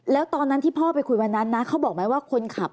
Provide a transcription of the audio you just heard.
แล้วตอนนั้นที่พ่อไปคุยวันนั้นนะเขาบอกไหมว่าคนขับ